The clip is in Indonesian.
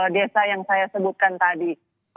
desa yang saya sebutkan tadi